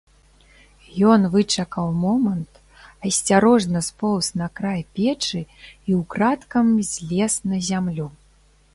Ён вычакаў момант, асцярожна споўз на край печы і ўкрадкам злез на зямлю.